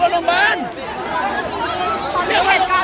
เป็นกระทั่งคนไทยด้วยกันไหมอ๋อ